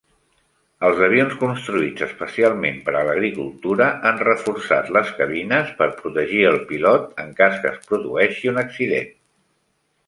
Els avions construïts especialment per a l"agricultura han reforçat les cabines per protegir el pilot en cas que es produeixi un accident.